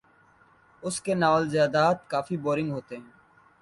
اس کے ناولزیادہ ت کافی بورنگ ہوتے ہے